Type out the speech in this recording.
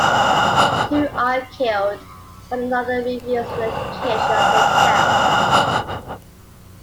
Two are killed, while another reveals the location of their camp.